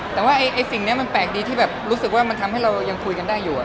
แต่ว่าสิ่งนี้มันแปลกดีที่แบบรู้สึกว่ามันทำให้เรายังคุยกันได้อยู่